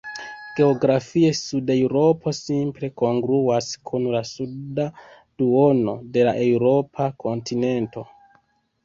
Geografie, Sud-Eŭropo simple kongruas kun la suda duono de la eŭropa kontinento.